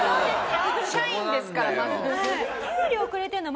社員ですからまず。